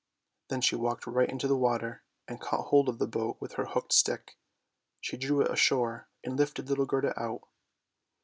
" Then she walked right into the water, and caught hold of the boat with her hooked stick; she drew it ashore, and lifted little Gerda out.